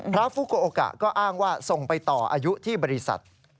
ฟุโกโอกะก็อ้างว่าส่งไปต่ออายุที่บริษัท